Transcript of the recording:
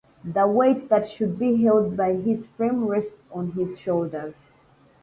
The weight that should be held by his frame rests on his shoulders.